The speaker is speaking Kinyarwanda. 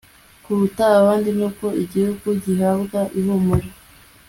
kuruta abandi Nuko igihugu gihabwa ihumure